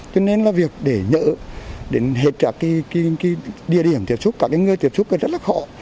cho nên là việc để nhỡ để hết trả cái địa điểm tiếp xúc cả cái người tiếp xúc thì rất là khó